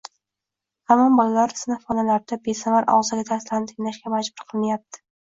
hamon bolalar sinfxonalarda besamar og‘zaki darslarni tinglashga majbur qilinyapti?